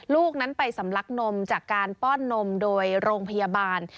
ลูกนั้นไปสำลักนมจากการป้อนนมโดยโรงพยาบาล